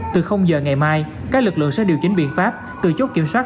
từ giờ ngày mai các lực lượng sẽ điều chỉnh biện pháp từ chốt kiểm soát